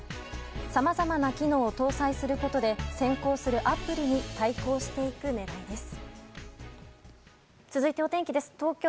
さまざまな機能を搭載することで先行するアップルに対抗していく狙いです。